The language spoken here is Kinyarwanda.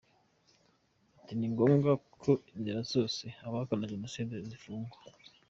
Ati “Ni ngombwa ko inzira zose abahakana Jenoside zifungwa.